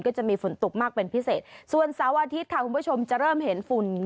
ก็จะมีฝนตกมากเป็นพิเศษส่วนเสาร์อาทิตย์ค่ะคุณผู้ชมจะเริ่มเห็นฝุ่น